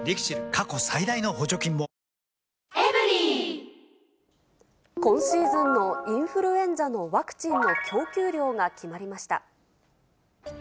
過去最大の補助金も今シーズンのインフルエンザのワクチンの供給量が決まりました。